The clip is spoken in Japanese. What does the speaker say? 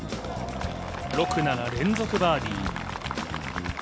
６、７連続バーディー。